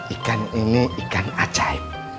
ikan ini ikan ajaib